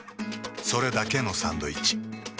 それだけのサンドイッチ。